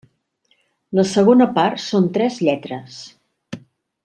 La segona part són tres lletres.